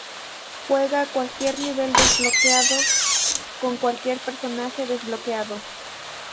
Juega a cualquier nivel desbloqueado con cualquier personaje desbloqueado.